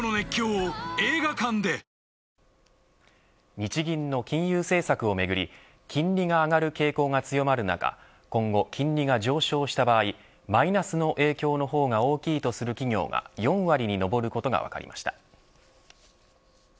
日銀の金融政策をめぐり金利が上がる傾向が強まる中今後金利が上昇した場合マイナスの影響の方が大きいとする企業が４割に上ることが分かりました。